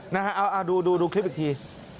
นะฮะเอาดูคลิปอีกที